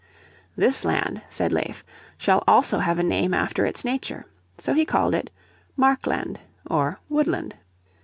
"This land," said Leif, "shall also have a name after its nature." So he called it Markland or Woodland.